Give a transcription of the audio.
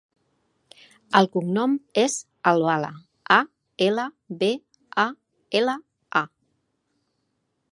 El cognom és Albala: a, ela, be, a, ela, a.